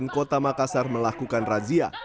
kota makassar melakukan razia